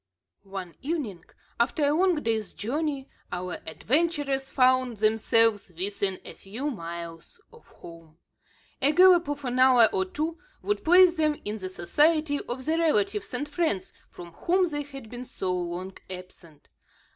One evening, after a long day's journey, our adventurers found themselves within a few miles of home. A gallop of an hour or two, would place them in the society of the relatives and friends from whom they had been so long absent.